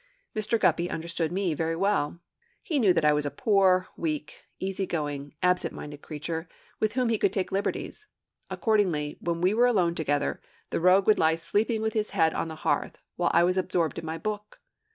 Mr. Guppy understood me very well. He knew that I was a poor, weak, easy going, absent minded creature, with whom he could take liberties; accordingly, when we were alone together, the rogue would lie sleeping with his head on the hearth, while I was absorbed in my book.